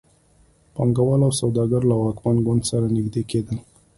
پانګوال او سوداګر له واکمن ګوند سره نږدې کېدل.